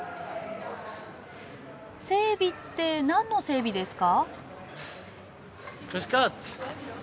整備って何の整備ですか？